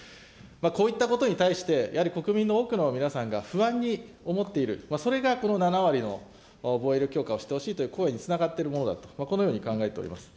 こういったことに対して、やはり国民の多くの皆さんが、不安に思っている、それがこの７割の、防衛力強化をしてほしいという声につながっていると、このように考えております。